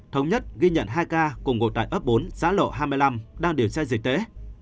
thống nhất ghi nhận hai ca cùng ngộ tại ấp bốn xã lộ hai mươi năm đang điều tra dịch tế